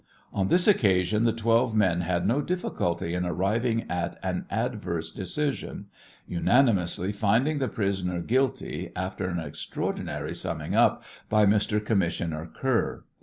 On this occasion the twelve men had no difficulty in arriving at an adverse decision, unanimously finding the prisoner guilty after an extraordinary summing up by Mr. Commissioner Kerr.